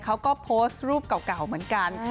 เขาก็โพสต์รูปเก่าเหมือนกัน